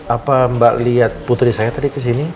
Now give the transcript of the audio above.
apa mbak lihat putri saya tadi ke sini